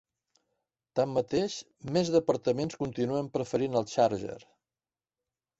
Tanmateix, més departaments continuen preferint el Charger.